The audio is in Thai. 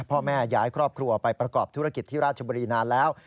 พ่อแม่ย้ายครอบครัวไปประกอบธุรกิจที่ราชบุรีนานแล้ว